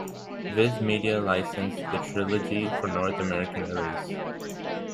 Viz Media licensed the trilogy for North American release.